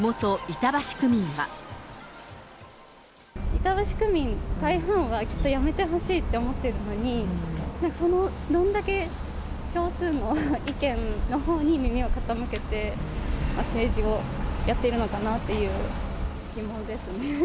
板橋区民の大半は、きっと辞めてほしいって思ってるのに、そのどれだけ少数の意見のほうに耳を傾けて、政治をやっているのかなっていう、疑問ですね。